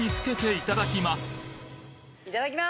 いただきます。